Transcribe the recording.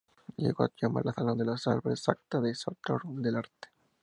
Llegó a llamar al salón de los Álvarez ""sancta sanctorum" del arte".